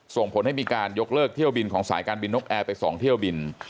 ส่งผลให้มีการยกเลิกเที่ยวบินของสายการบินนกแอร์ไป๒เที่ยวบิน